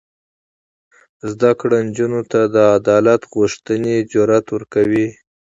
زده کړه نجونو ته د عدالت غوښتنې جرات ورکوي.